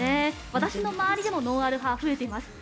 私の周りでもノンアル派、増えています。